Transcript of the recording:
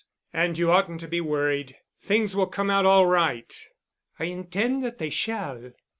And you oughtn't to be worried. Things will come out all right." "I intend that they shall.